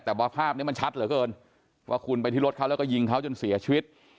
แต่ว่าภาพนี้มันชัดเหลือเกินว่าคุณไปที่รถเขาแล้วก็ยิงเขาจนเสียชีวิต